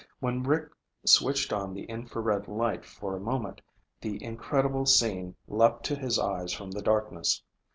When Rick switched on the infrared light for a moment, the incredible scene leaped to his eyes from the darkness.